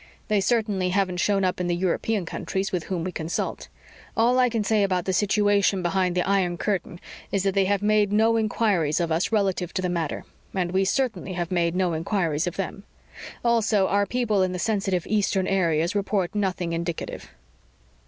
They certainly haven't shown up in the European countries with whom we consult. All I can say about the situation behind the Iron Curtain is that they have made no inquiries of us relative to the matter and we certainly have made no inquiries of them. Also, our people in the sensitive Eastern areas report nothing indicative."